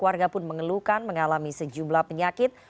warga pun mengeluhkan mengalami sejumlah penyakit